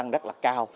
rất là cao